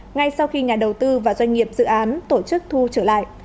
ngay sau khi nhà đầu tư và doanh nghiệp dự án tổ chức thu trở lại